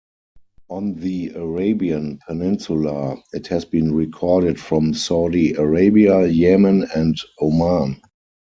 On the Arabian Peninsula it has been recorded from Saudi Arabia, Yemen, and Oman.